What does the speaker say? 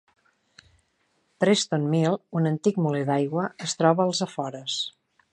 Preston Mill, un antic molí d'aigua, es troba als afores.